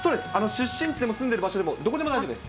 出身地でも住んでいる場所でもどこでも大丈夫です。